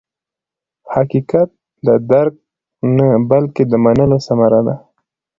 حقیقت د درک نه، بلکې د منلو ثمره ده.